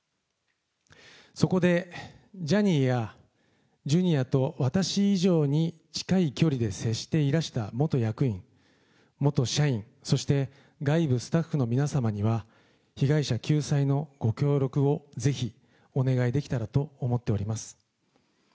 そこで、ジャニーやジュニアと私以上に近い距離で接していらした元役員、元社員、そして外部スタッフの皆様には、被害者救済のご協力をぜひお願いできたらと思っております。